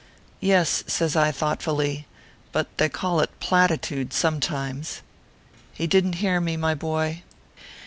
"Yes," says I, thoughtfully, "but they call it Platitude, sometimes." He didn t hear me, my boy.